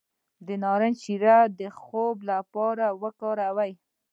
د نارنج شیره د خوب لپاره وکاروئ